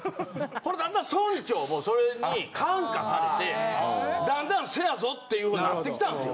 ほんで段々村長もそれに感化されてだんだん「せやぞ！」っていうふうになってきたんすよ。